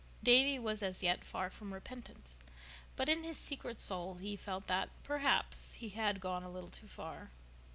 Davy was as yet far from repentance, but in his secret soul he felt that, perhaps, he had gone a little too far.